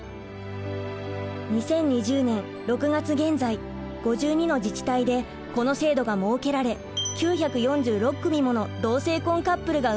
２０２０年６月現在５２の自治体でこの制度が設けられ９４６組もの同性婚カップルが生まれました。